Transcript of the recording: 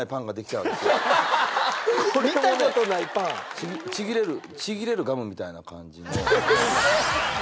ちぎれるちぎれるガムみたいな感じで。